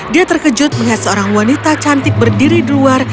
dia terkejut melihat seorang wanita cantik berdiri di luar